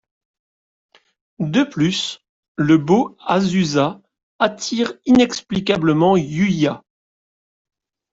De plus, le beau Azusa attire inexplicablement Yûya…